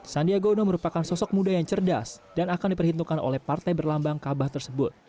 sandiaga uno merupakan sosok muda yang cerdas dan akan diperhitungkan oleh partai berlambang kabah tersebut